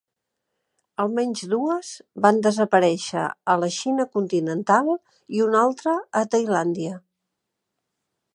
Almenys dues van desaparèixer a la Xina continental i una altra a Tailàndia.